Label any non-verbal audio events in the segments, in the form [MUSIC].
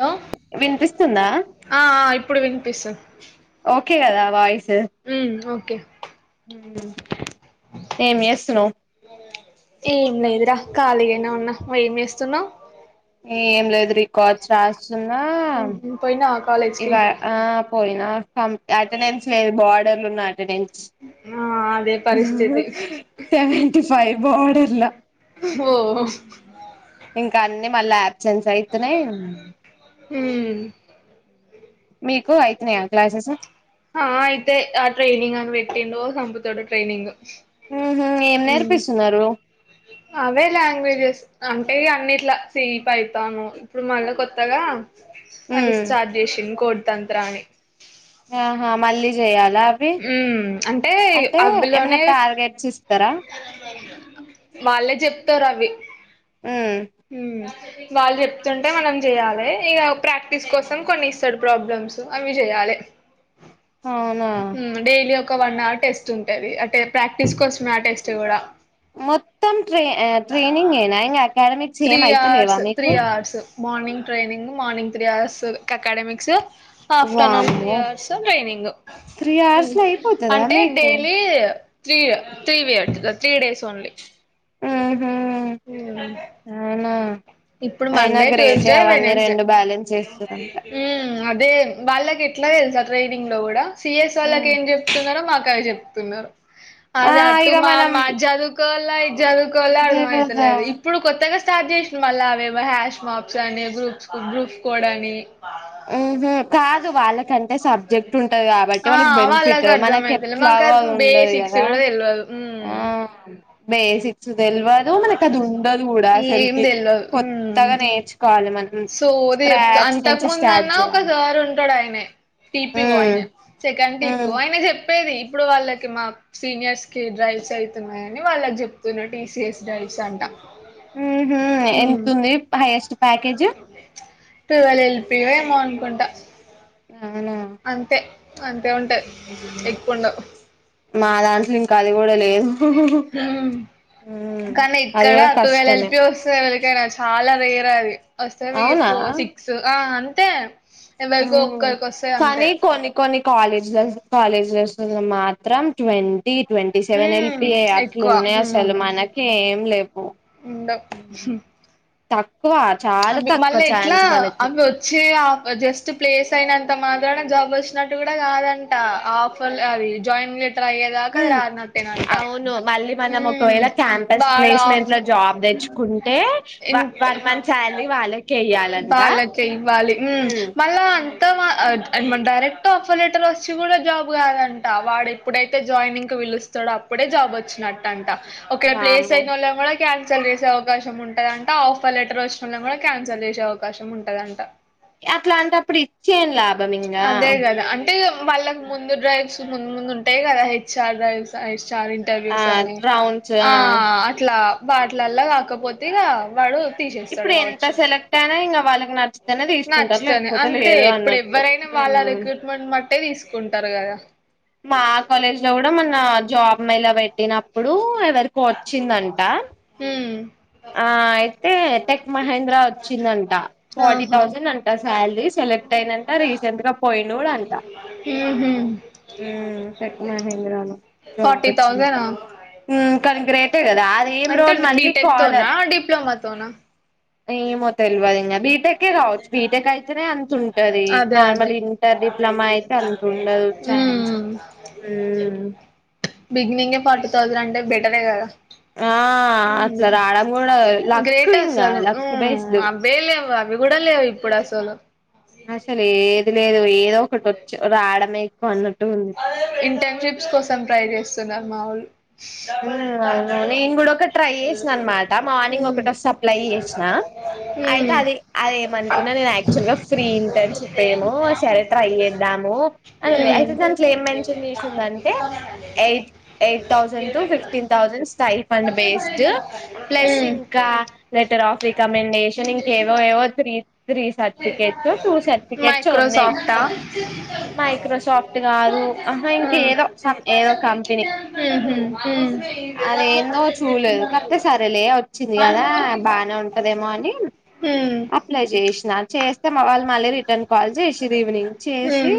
Hello వినిపిస్తుందా ఆ ఇప్పుడు వినిపిస్తుంది కే కదా వాయిస్ ఆమ్ ఓకే ఓకే ఉమ్ ఏం చేస్తున్నావ్ ఏం లేదురా ఖాళీగనే ఉన్నా నువ్ ఏం చేస్తున్నావు ఏం లేదు రికార్డ్స్ రాస్ స్తున్న ఉహు పోయినావా కాలేజ్ కి ఇవా ఆ పోయినా అటెండెన్స్ లేదు బా [UNINTELLIGIBLE] నా అటెండెన్స్ ఆ అదే పరిస్థితి బోర్డర్లా ఓ ఇంకా అన్ని మళ్ళీ ఆబ్సెన్స్ అయితున్నాయి హమ్ మీకు అయితున్నాయా క్లాసెస్ ఆ అయితయి ఆ ట్రెనింగ్ అని పెట్టిండు సంపుతడు ట్రెయినింగ్ ఉహు ఏం నేర్పిస్తున్నారు అవే లాంగ్వేజెస్ అంటే అన్నిట్ల సి, పైథాను ఇప్పుడు మళ్ళ కొత్తగా అవి ఉమ్ స్టార్ట్ చేసిండు కోడ్ తంత్ర అని ఆహా మల్ళి చేయాాల ఉ అంటే ఏమైనా అవిలోనే టార్గెట్స్ ఇస్తారా వాళ్ళే చెప్తారు అవి ఉమ్ హమ్ వాళ్ళు చెప్తుంటే మనం చేయ్యాలి ఇక ప్రాక్టీస్ కోసం కొన్ని ఇస్తాడు ప్రాబ్లమ్స్ అవి చేయాలి అవునా ఆమ్ డైలీ ఒ ఒక వన్ అవర్ టెస్ట్ ఉంటది అంటే ప్రాక్టీస్ కోస్ మొత్తం ట్రే ఆ ట్రైనింగ్ ఏనా ఇంగ academy three hours three hours morning training morning three hours academics afternoon three వామ్మో అవర్స్ ట్రైనింగ్ త్రీ ఉమ్ అవర్స్ లో అయిపోతదా అంటే మీకు daily three three periods the three days only ఉహు హ్మ్మ్ అవునా ఇప్పుడు అయినా మండే గ్రేటే ట్యూస్డే అవన్నీ వెడ్నెస్డే రెండు బ్యాలెన్స్ చేస్తురంట ఉమ్ అదే వాళ్ళకి ఎట్లా తెలుసా ట్రైడింగ్ లో కూడా సిఎస్ వాళ్ళకి ఏం చెప్తున్నారో మాక్ అవి చెప్ తిన్న ఆ అద టు ఇక మా మనం మాజాడుకోవాల్ [UNINTELLIGIBLE] చదువుకోవలో అదే అర్థం కదా అయితలేదు ఇప్పుడు కొత్తగా స్టార్ట్ చేస్ మళ్ళా అవేవో హ్యాష్ మాప్స్ అని గ్రూప్స్ గ్రూప్స్ కోడ్ అని ఉహ్ ఉమ్ కాదు వాళ్ళకంటే సబ్జెక్ట్ ఉంటది కాబట్టి ఆ వాళ్ళకి బెనిఫిట్, మనక్ అర్థమైతలే మాకు ఎట్లాగో అది ఆది ఉండదు బేసిక్స్ కదా కూడా తెల్వదు ఉమ్ బేసిక్ సు తెల్వదు మనకి అది ఉండదు గూడా ఏం అసల్కీ. తెల్వదు ఉమ్ కొత్తగా నేర్చుకోవాలి మన సోది చెప్త అంతకు ముందు అన్నా ఒక చేయాలి సార్ ఉంటడు అయినే, టీ పి వో ఉమ్ అయినే సెకండ్ టీ పి ఉమ్ వో అయినే చెప్ పెది ఇప్పుడు వాళ్ళకి మా సీనియర్స్ కి డ్రైవ్స్ అయితున్నాయని వాళ్ళక్ చెప్తున్నడ్, టీ సి ఎస్ డ్రైవ్స్ అంటా ఉహ్ ఉమ్ ఎంత్ ఉంది highest package twelve L P ఓ ఏమో అనుకుంటా అవునా అంతే అంతే ఉంటాయ్ ఎక్కువ్ ఉండవ్ మా దాంట్ల ఇంకా అది గూడ లేద్ ఉమ్ కానీ అది ఇక్కడ కూడా ట్వెల్వ్ ఎల్ కష్టమే పీ వస్తది ఎవరికైనా చాలా రేర్ అది వస్తది ఈ అవునా ఫో సిక్స్ ఆన్ ఎవరికో ఒక్కరికొస్తది అంతే కాలేజ్ అస్ కాలేజ్లో అస్తుంది అని మాత్రం ట్వం టి twenty seven L um P A ఎక్కువ అట్లున్నయ్ అస్సలు ఉమ్ మనకే ఏం లేవు. ఉండవ్ తక్ అవ్వి మళ్ళీ ఎట్లా అవ్వి వచ్చీ ఆఫ్ జస్ట్ ప్లేస్ అయినంత మా త్రానా జాబ్ వచ్చినట్టు కూడా కాదంటా ఆఫర్ అది జాయిన్ లెట్ టర్ అయ్యేదాక ఉమ్ రానట్టేనంటా అవును మళ్ళీ మనం ఉమ్ ఒకవేళ క్యాంపస్ వాడ్ ప్లేస్మెంట్ ఆఫ్ లో జాబ్ తెచ్చుకుంటే ఇంత వన్ మంత్ శాలరీ వాళ్ళకే ఇయ్యాలంట వాళ్లకే ఇవ్వాలి హ్మ ఉమ్ మళ్ళా అంత వ ఆ డైరెక్ట్ ఆఫర్ లెటర్ వచ్చి కూడ జాబ్ కాదంట. వాడు ఎప్పుడైతే జాయినింగ్కి పిలుస్తడో అప్పుడే జాబ్ వచ్చినట్టంట. ఒక్కెళ్ళ ప్లేస్ వామ్మో అయినోళ్ళన్ కూడ క్యాన్సల్ చేసే అవకాశం ఉంట దంట ఆఫర్ లెటర్ వచ్ ఉన్నా కూడా క్యాన్సల్ జేసే అవకాశం ఉంటదంట అట్లాటప్పుడు ఇచ్చి ఎం అదే కదా అంటే వాళ్ళకి ముందు డ్రైవ్స్ ముందు ముందు ఉంటాయి గదా హెచ్ ఆర్ డ్రైవ్స్ ఐస్ హెచ్ ఆర్ ఆ ఇంటర్వ్యూస్ అని రౌండ్స్ ఆ అట్లా వాట్లల్లా కాకపోతే ఇగా వాడు తీసేస్తాడు ఇప్పుడు ఎంత కావచ్చు సెలెక్ట్ అయినా ఇంగ వాళ్ళకి నచ్ నచ్చుతనే అంతే ఇప్పుడు ఎవ్వరైనా వాళ్ళ ఉమ్. రిక్రూట్మెంట్ బట్టే తీస్ కుంటారు గదా మా కాలేజ్ లో కూడ మొన్నా జాబ్ మేలా పెట్టినప్పుడూ ఎవరికో వచ్చిందంటా హ్మ్ ఆ అయితే టెక్ మహేంద్రోచ్చిందంట ఫార్టీ ఆహా థౌస్ చ్చిందంట సాలలీ సెలెక్ట్ అయినంకా రీసెంట్గా పోయినొడంట ఊహూ ఉ టెక్ మహేంద్రలో జాబ్ ఫార్టీ వచ్చిందంట థౌజనా ఉ కాని గ్రేటె కదా అదేం అంటే రోల్ మళ్ళి బీటెక్ తోనా అడర్ డిప్లొమా తోనా ఏమొ తెలువదు ఇంగ బీటెక్కే కావ్ బీటెక్ అయితేనే అంత ఉంటది అదే అదే నార్మల్ ఇంటర్ డిప్లొమా అయితే అంత ఉండదు ఛాన్స్ హ్మ్ హుమ్ థౌజనంటే బెటరే కదా ఆ హ్మ్ అట్లా రాడం గూడ లక్ గ్రేట్ ఇంగ అసలు లక్ ఉమ్ బేస్డ్ అవే లేవు అవి కూడా లేవు ఇప్పుడు అసలు అసలు ఏది లేదు ఏదో ఒకటి వచ్చు రాద్ అడమేక్ కో అన్నం ఇంటర్న్షిప్స్ కోసం ట్రై చేస్తున్నా మావుల్ హు అవును నేను కూడా ఒక ట్రై చేసినా అన్మాట మార్నింగ్ ఉమ్ ఒకటొస్తే అప్లై చేసినా అయితే ఉమ్ అది అదేమనుకున్నా నేను యాక్చువల్ గా ఫ్రీ ఇంటర్న్షిప్ ఏమో సరే ట్రై చేద్దాము అని ఉంది ఉమ్ అయితే దాన్ ట్లెం మెన్షన్ చేసుందంటే eight eight thousand to fifteen thousand stipend based plus ఉమ్. ఇంకా లెటర్ ఆఫ్ రికమెండేషన్ ఇంకేవో ఏవో త్రి త్రీ సర్టిఫికేట్స్, టూ సర్టిఫికేట్సో ఉన్నాయి మైక్రోసాఫ్టా సమ్ ఉమ్ మైక్రోసాఫ్ట్ ఉహు కాదు ఆహా ఇంక ఉమ్ ఏదో సమ్ ఏదో కంపెనీ ఉమ్ అదేందో చూలేదు కాకపోతే సరేలే వచ్చింది కదా బానే ఉంటదేమో అని అప్లై చే చేసిన చేస్తే మా వాళ్ళు మళ్ళీ రి నన్ కాల్ చేసిర్రు ఈవినింగ్ చేషి ఉమ్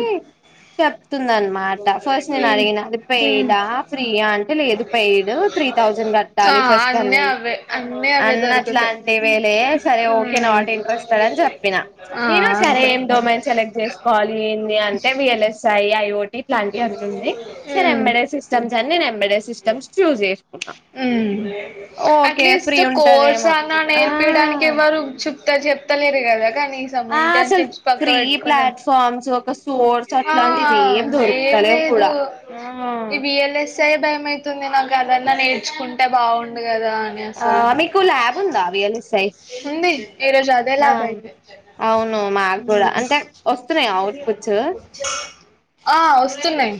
చెప్ ప్తుందన్మాట ఫస్ట్ నేను ఉమ్ అడిగిన అది పేయ్ ఉమ్ డా ఫ్రీయా అ లేదు పెయిడ్ త్రీ థౌసండ్ ఆ కట్టాలి ఫస్ట్ అన్నీ అన్నది. అవే అన్నీ అవే అన్ని దొరుకుతాయి అట్లాంటివేలే సరే ఓకే ఉమ్ నాట్ ఇంట్రెస్టెడ్ అని చెప్పిన ఆ నేను సరే అంతే ఏం డొమన్ సెలెక్ట్ చేసుకోవాలి. ఏంది అంటే వియలేసర్ ఏ [UNINTELLIGIBLE] ఇట్లాంటి అన్ని ఉన్నాయి సరే ఉమ్ మేడం చూస్తాం [UNINTELLIGIBLE] సిస్టమ్స్ చూజ్ చేష్ హ్మ్ ఫ్రీ అట్లీస్ట్ కోర్స్ ఉంటదేమో అన్నా ఆ నేర్పియడానికి ఇవ్వరు చెప్త చెప్తలేరు గ వెకన్ కనీసం ఆ అసలు ఇంటన్షిప్స్ పక్కకు ఫ్రీ పెట్టుకొనె ప్లాట్ఫామ్స్ ఒక సోర్స్ ఆ అట్లాంటిది ఏం ఏం దొరుకుతలేవు లేదు కూడా ఆ ఈ వి ఎల్ ఎస్ తే భయం అయితుంది నాక్ అదన్నా నేర్ ర్చుకుంటే బాగుండు కదా అని ఆ అసలు మీకు ల్యాబ్ ఉందా వియల్ఎసై ఉంది ఈరోజు అదే ఆ ల్యాబ్ అయింది అవును మాకు కూడా ఉమ్ అంటే వస్తున్నాయ అవుట్పుట్స్ ఆ వస్తున్నయ్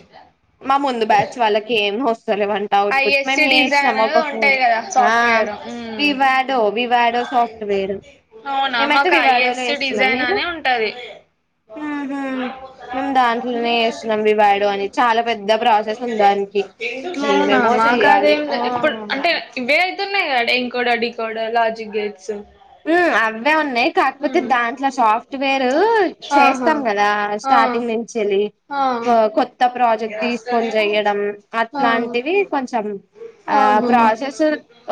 మా ముందు బ్యాచ్ వాళ్ళకి ఏం వస్ వస్తా లేవంట అవుట్ పుట్స్ మేము ఐఎస్సి చేసినాం డిజైన్ ఒక ఫోన్ ఉంటది కదా ఆ సాఫ్ట్వేర్ వివాడో వాడో సాఫ్ట్ వేర్ అవునా మిమైతె మాకు వివాడోలో ఐఎస్సి చెస్తున్నాం. డిజైన్ మీరు అనే ఉంటది హు హ్మ్ మేమ్ దాంట్లోనే చెస్తున్నాం. వివాడో అని చాలా పెద్ద ప్రాసెస్ ఉంది దానికి అవునా ఏమేమో మా చెయ్యాలి కాదేం లే ఆ ఇప్పుడ్ ఉమ్ అంటే ఇవే వేళుతున్నాయి. ఎంకొడా డికొడ లాజ్ ఈ గేట్సు హ్మ్ అవే ఉన్నాయి కాకపోతే దాంట్ల సాఫ్ట్వేరు ఆహా చేస్తాం కదా ఆ స్టార్టింగ్ నుంచాలి ఆ కొత్త ప్రాజెక్ట్ తీసుకొని చెయడం ఆ అట్లాంటివి కొంచెం ఆ ఆహా ప్రాసెస్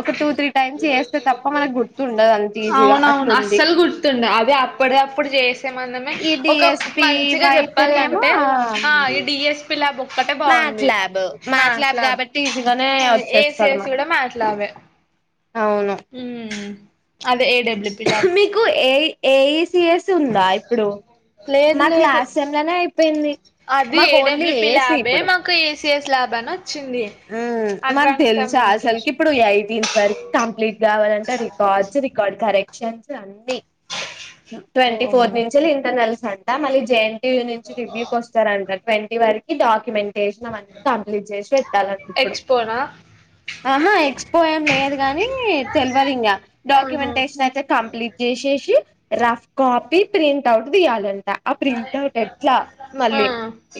ఒక టూ త్రీ టైమ్స్ చేస్తే తప్ప మనకు గుర్తుండదు అం అవునవును అస్సలు గుర్తుండవ్ అది అప్పుడదప్పుడు చేస్తే మనమే ఈ ఒక డిఎస్పి మంచిగా అయితేనేమో చెప్పాలంటే ఆ ఇ డిఎస్ పిలబో మ్యాట్ ల్యాబ్ మ్యాట్ ల్యాబ్ కాబట్టి ఈజిగానే వచ్చేస్తడు ఏసిఎస్ మరి కూడా మ్యాట్ ల్యాబే అవును ఉమ్ అదే ఏడబ్ల్యుపి లాబ్ ఎయిస్ సిఏసి ఉందా ఇప్పుడు లేదు మాకు లేదు క్లాస్ సేమ్ లనే అయిపోయింది అది మాకు ఓన్లీ ఏసి ఇప్పుడు బన హ్మ్ మాకు తెలుసా అసలుకి కమ్యూనికేషన్ ఇప్పుడు ఎయిటీన్త్ వరకు కంప్లీట్ గావాలంటే రికార్డ్స్ రికార్డ్ కరెక్ట్ షేమ్స్ అండి ఓ ట్వంటీ ఫోర్ అమ్మో నుంచి ఇంటర్నల్స్ హట్ట మాలిద్ జెంటియు నుంచి రివ్యూ కు వస్తారంట ట్వంటీ వరు ఈ డాకిమెంట్ చేసినవాన్ అంత కంప్లీట్ చేసి వెట్ ఇప్పుడు ఎక్స్పోనా ఆహ ఎక్స్పో ఏం లేదు గానీ తెలువదు ఇంగా ఆహా డాక్యుమెంటేషన్ అయితే కంప్లీట్ చేసేసి రఫ్ కాపీ ప్రింట్ అవుట్ తీయాలంట ఆ ప్రింట్ అవుట్ ఎట్లా ఆ మళ్ళీ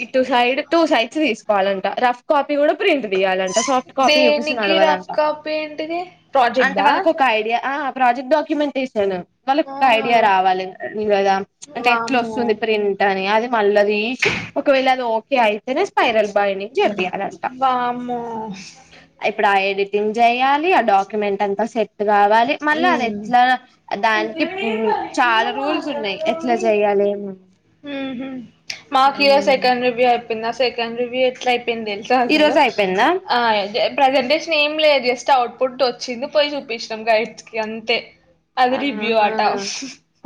ఇటు సైడ్ టూ సైడ్స్ తీసుకోవాలి దంట రఫ్ కాపు వీవుడు ప్రింట్ తీయాలంట సాఫ్ట్ కాపీ యూపిస్తే దేనికి రఫ్ నడవదంట కాపీ ఏంటిది ప్రాజెక్ట్ అంటే దా వాళ్ళకు ఒక ఐడియా ఆ ప్రాజెక్ట్ డాక్యుమెంటేషన్ వాళ్ళక్ ఆ తా ఐడియా రావాలి గదా అంటే ఎట్లా వామ్మో వస్తుంది ప్రింట్ అని అది మల్ల దీసి ఒక వేళ అది ఓకే ఐ తేనే స్పైరల్ బైండింగ్ చేపియాల వామ్మో రా ఎడిటింగ్ చేయాలి ఆ డాక్యుమెంట్ అంతా సెట్ రావాలి మళ్ళా అది ఉమ్ ఎట్లా దానికి పువ్వులు చాలా రూల్స్ ఉన్నాయి ఎట్లా చెయ్యాలి ఏమున్ ఉహు హు కింద సెకండ్ రివ్యూ ఎట్లా అయి అయిపోయింది తెలుసా ఈ అసలు రోజు అయిపోయిందా ఆ దే ప్రజెంటేషన్ ఏం లేదు అసలు జస్ట్ అవుట్ ఫుటూ వచ్చింది పోయి చూపించినం రైట్ కీ అంతే అది రివ్యూ ఆహా అట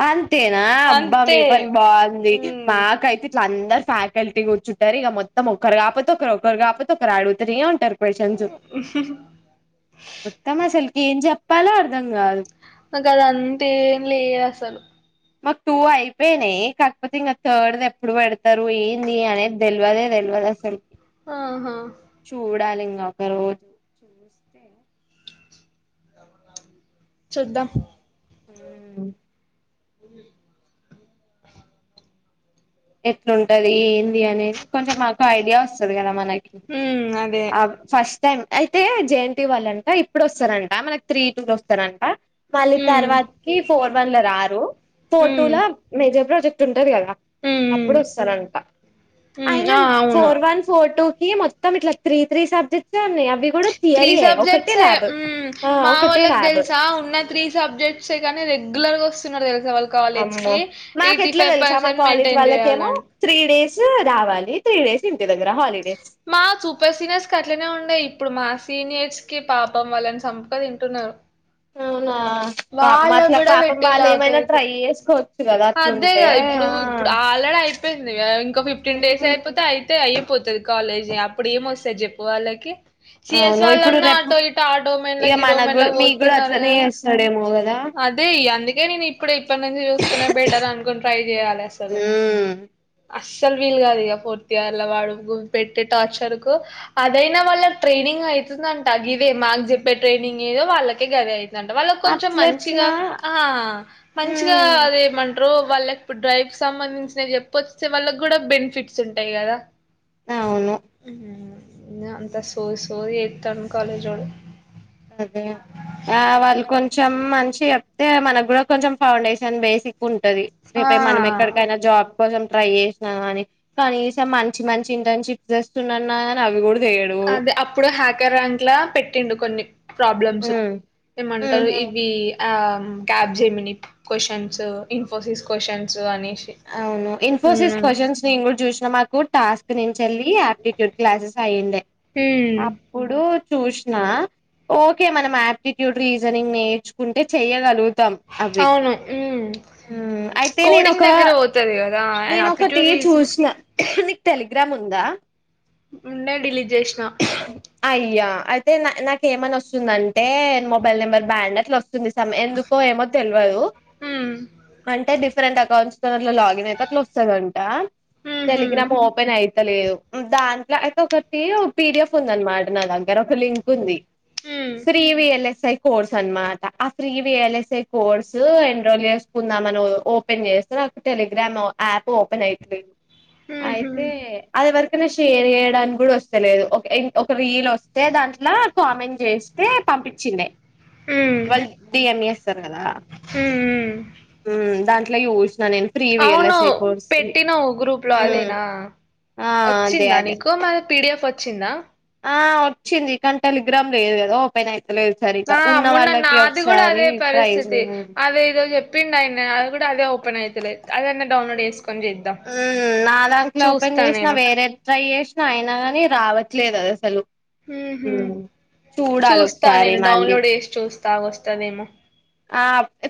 అంతేనా అబ్బా మీ అంతే పని బాగుంది ఉమ్ మాకైతే అందరు ఫ్యాకల్టీ కూర్చుంటారు ఇగా మొత్తం ఒకరు కాకపోతే ఒకరు ఒకరు కాపోతే ఒకరు అడుగుతనే ఉంటారు క్యూస్షన్స్ ఉత్తమ్ అసలుకి ఏం చెపు ప్పాలోఅర్థం గాదు నాకు అది అంతే ఏం లేదు అసలు మాకు టూ అయిపోయినాయి కాకపోతే ఇంకా థర్డ్ ఎప్పుడు పెడతారు ఏంది అనేది తెల్వదే తెల్వదు అసలు ఆహా చూడాలి ఇం ఒక రోజు చూద్దాం ఊ ఎట్లుంటది ఏంది అనేది కొంచెం మాకు ఐడియా వస్తుంది కదా మ మనకి ఉమ్ అదే ఆ ఫస్ట్ అయితే జే ఎన్ టి వాళ్ళంట ఇప్పుడు వస్తారంట మనకి త్రీ టూలు వస్తారంట మళ్ళీ ఉమ్ తర్వాత కి ఫోర్ వన్ లో రారు ఫోర్ టూ ఉమ్ లో మేజర్ ప్రాజెక్ట్ ఉంటది గదా ఉమ్ ఉమ్ అప్పుడు వస్తారంట ఉమ్, అయినా ఆ అవును ఫోర్ వన్ ఫోర్ టూ ఈ మొత్తం ఇట్లా త్రీ త్రీ సబ్జెక్ట్ త్రీ సబ్జెక్ట్సే ల్యాబ్ ఊ ఆ మా ఒకటే వాళ్ళకి ల్యాబ్ తెలుసా ఉన్న త్రీ సబ్జెక్ట్సే కానీ రెగ్యులర్ గా వస్త వస్తున్నారు తేలు ఆమో మాకు ఎట్లా తెలుసా మా కాలేజ్ మెయింటైన్ వాళ్ళకేమో చేయాలని. త్రీ డేస్ రావాలి త్రీ డేస్ ఇన్ మా సూపర్ సీనియర్స్ కకి అట్లనే ఉండేయి ఇప్పుడు మా సీనియర్స్ కి పాపం వాళ్ళని సంపుక తింటున్నారు అ వాళ్ళ కూడా పెట్టిలు ఏమైనా ఆఖరికి ట్రై చేసుకోవచ్చు కదా అదే అట్లుంటే కదా ఇప్పుడు ఆ ఇప్పుడు ఆల్రెడీ అయిపోయింది గా ఇంకో ఫిఫిటిన్ ఉ డేస్ అయిపోతే అయితే అయిపోతు తాది కాలేజ్ అప్పుడు ఏమ వస్తది చెప్పు వాళ్ళకి సిఎస్ అవును ఇప్పుడు వాళ్ళన్నా రేపు ఆటో ఇట ఆటో ఇక మలకి ఇడో మనకు కూడా మలకి మీకు కూడా పోతున్నారు అట్లనే గాని చేస్తాడేమో కదా అదే అందుకే నేను ఇప్పుడు ఇప్పటి నుంచి చూసుకునే బెటర్ అనుకుని ట్రై చేయాలి అసలు ఉమ్ అస్సలు వీల్ కాదు ఇ ఫోర్త్ ఇయర్ వాడు గు పెట్టే టార్చర్ కు అదైనా వాళ్ళ ట్రైనింగ్ అవుతుందంట ఇదే మాార్కు చెప్పే ట్రైనింగ్ ఏదో వాళ్ళకే గది అవుతుంది అంట వాళ్ళకు కొంచెం మంచి అట్లెట్లా మంచి మంచిగా ఉమ్ అదే మ వాళ్ళ ఇప్పుడు డ్రైవ్ సంబంధించినవి చెప్ప వస్తే వాళ్ళ కూడా బెనిఫిట్స్ ఉంటాయి కదా అవును అంత సో సో ఎయితను కాలేజో అదే ఆ వాళ్ళు కొ కొంచెం మంచిగా చెప్తే మనకు కూడా కొంచెం ఫౌండేషన్ బేసిక్ ఉంటది రేప మనం ఆ ఎక్కడికైనా జాబ్ కోసం ట్రై చేసిన అని కనీసం మంచి మంచి ఇంటర్న్షిప్స్ చేస్తున్నా అని అవి కూడా చేయడు అదే అప్పుడు హ్యాకర్ ర్యాంక్ లా పెట్టిండు కొన్ని ప్రాబ్లమ్స్ ఉమ్ ఏమంటారు ఉహు ఇవి ఆ Capgemini questions Infosys questions అని అవును. ఇన్ఫోసిస్ క్వశ్చన్స్ నేను గుడ్ చూసిన మాకు టాస్ [UNINTELLIGIBLE] చల్లి ఆటిట్యూడ్ క్లాసెస్ అయ్యిండే ఉమ్ అప్పుడు చూసిన ఓకే మనం ఆట్టిట్యూడ్, రీజనింగ్ నేర్చుకుంటే చెయ్యగలు అవును మ్ మ్ అయితే నేనొక కదా నేన్ ఒకటి అప్టిట్యూడ్ రీజన్ చూసిన నీక్ టెలిగ్రామ్ ఉందా ఉండే డిలీట్ చేసిన అయ్యా అయితేే నా నాక్ ఏమనొస్తుందంటే మొబైల్ నెంబర్ బ్యాండ్ అట్ల వస్ స్తుంది. సమ్ ఎందుకో ఏమో తెల్వదు. ఉమ్ అంటే డి డిఫరెంట్ అకౌంట్స్ ఒకసార్ అట్ల లాగిన్ అయితే అట్ల వస్తదంటా ఉహు టెలిగ్రామ్ ఓపెన్ అయి అయిలేదు దాంట్ల అయితే ఒకటి పిడిఎఫ్ ఉందన్మాట నా దగ్గర ఒక లింకుంది. ఉమ్ శ్రీ వి ఎల్ఎస్ఐ కోర్స్ అన్మాట. ఆ ఫ్రీ వి ఎల్ఎస్ఐ కోర్స్ అప్రోల్ చేస్కుందామని ఓపెన్ చేస్తే నాకు టెలిగ్రామ్ యాప్ ఓపెన్ అయితలేదు. ఉహు అయితే అదేవర్ ఏమన్న షేర్ చేయడానికి గుడా వస్తలేదు. ఒక రీల్ వస్తే దాంట్ల కామెంట్ చేస్తే పంపించిండే ఉమ్ వాల్ డీఎం చేస్తార్ కదా ఉమ్ మ్ దాం ఇట్ల యూస్ అవును పెట్టినవు గ్రూప్లో ఉమ్, అదేనా ఆ అదే వచ్చిందా అదే నీకు మ పిడిఎఫ్ వచ్చిందా ఆ వచ్చింది. కని టెలిగ్రామ్ లేదు కదా ఓపెన్ అయి ఆ మొన్న నాది గుడా అదే ట్రై పరిస్థితి చేయాలి అదేదో చెప్ పిన్ [UNINTELLIGIBLE] నాది గుడా అదే ఓపెన్ అయితలేద్ అదన్న డౌన్లోడ్ చేస్కో ఆ నా దాంట్ల ఓపెన్ చేసినా నేను వేరే ట్రై చేసినా అయినా గని రావ ట్లేదు అద్ అసలు హ్ హ్ ఉమ్, చూడాలి చూస్తా ఒకసారి నేను మళ్ళీ డౌన్లోడ్ చేసి చూస్ స్తా ఆగు వస్తాదేమో ఆ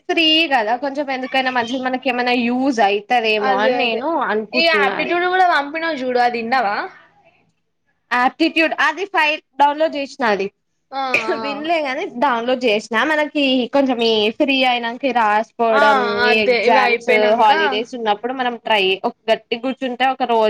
ఫ్రీ కదా కొంచెం ఎందుకైనా మంచిది మనకేమైనా యూస్ అయితదేమో అదే అని నేను అనుకుంటున్నా అదే పినవు చూడు అది ఇన్నవా. ఆప్టిట్యూడ్ అది ఫైల్ డౌన్లోడ్ చేశిన అది. ఆ విన్లేగానీ డౌన్లోడ్ చేసిన మనకి కొంచెం ఈ ఫ్రీ అయినా కి ఆ ఆ రాసుకోవడం ఈ అదే ఇవి ఎగ్జామ్స్ అయిపోయినంక హాలిడేస్ ఉన్నప్పుడు మనం ట్రై ఒక గట్టిగ కూర్చుంటే ఒక రోజు